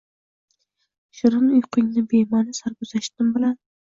shirin uyqungni bema’ni sarguzashtim bilan